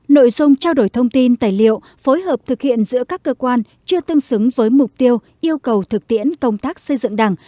nội dung trao đổi thông tin tài liệu phối hợp thực hiện giữa các cơ quan chưa tương xứng với mục tiêu yêu cầu thực tiễn công tác xây dựng đảng